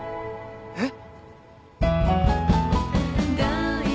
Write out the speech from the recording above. えっ？